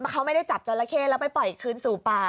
เขาไม่ได้จับจราเข้แล้วไปปล่อยคืนสู่ป่า